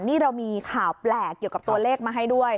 นี่เรามีข่าวแปลกเกี่ยวกับตัวเลขมาให้ด้วย